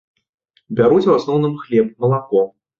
Бяруць у асноўным хлеб, малако.